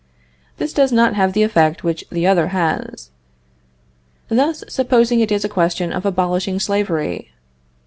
This does not have the effect which the other has. Thus, supposing it is a question of abolishing slavery.